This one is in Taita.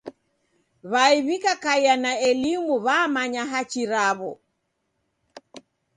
W'ai w'ikakaia na elimu wamanya hachi raw'o.